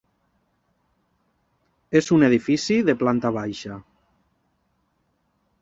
És un edifici de planta baixa.